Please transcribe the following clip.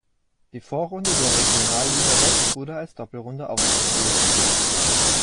Die Vorrunde der Regionalliga West wurde als Doppelrunde ausgespielt.